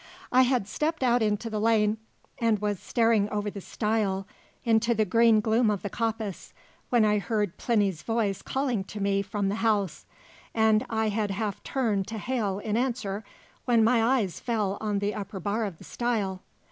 I had stepped out into the lane, and was staring over the stile into the green gloom of the coppice, when I heard Plinny's voice calling to me from the house, and I had half turned to hail in answer when my eyes fell on the upper bar of the stile.